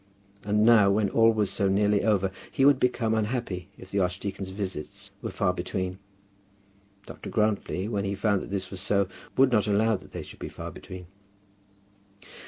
And now, when all was so nearly over, he would become unhappy if the archdeacon's visits were far between. Dr. Grantly, when he found that this was so, would not allow that they should be far between.